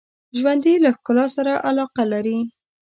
ژوندي له ښکلا سره علاقه لري